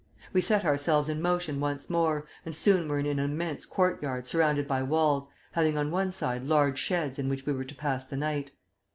We set ourselves in motion once more, and soon were in an immense courtyard surrounded by walls, having on one side large sheds in which we were to pass the night.